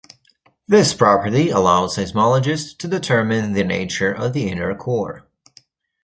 This property allows seismologists to determine the nature of the inner core.